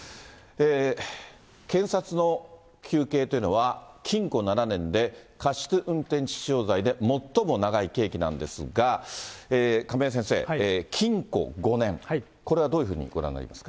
検察の求刑というのは、禁錮７年で、過失運転致死傷罪で最も長い刑期なんですが、亀井先生、禁錮５年、これはどういうふうにご覧になりますか。